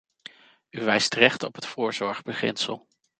U wijst terecht op het voorzorgsbeginsel.